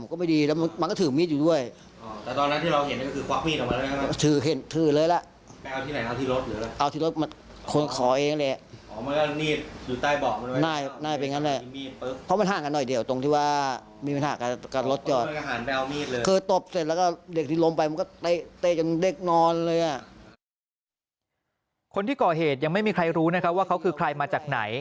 คนที่ก่อเหตุยังไม่มีใครรู้นะครับว่าเขาคือใครมาจากไหน